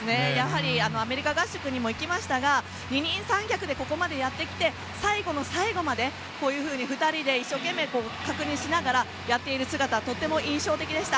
アメリカ合宿にも行きましたが二人三脚で最後の最後まで２人で一生懸命確認しながらやっている姿とても印象的でした。